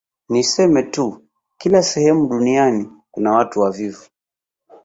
Niseme tu kila sehemu duniani kuna watu wavivu